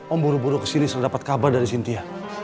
om buru buru kesini selalu dapat kabar dari cynthia